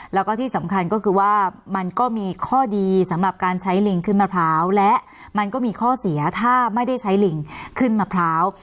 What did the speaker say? แล้วก็ที่สำคัญก็คือว่ามันก็มีข้อดีสำหรับการใช้ลิงขึ้นมะพร้าวและมันก็มีข้อเสียถ้าไม่ได้ใช้ลิงขึ้นมะพร้าว